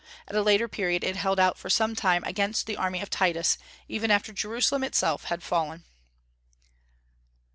At a later period it held out for some time against the army of Titus, even after Jerusalem itself had fallen.